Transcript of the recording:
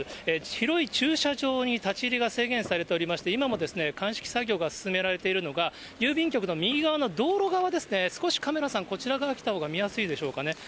広い駐車場に立ち入りが制限されておりまして、今もですね、鑑識作業が進められているのが、郵便局の右側の道路側ですね、少しカメラさん、こちら側来た方が見やすいでしょうかね。